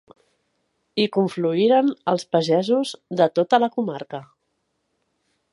Hi confluïren els pagesos de tota la comarca.